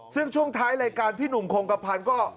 ซึ่งช่วงท้ายรายการพี่หนุ่มโครงกระพันธ์ก็